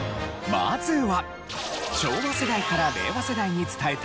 まずは。